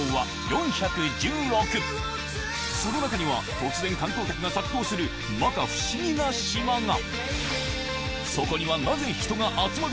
その中には突然観光客が殺到する摩訶不思議な島が！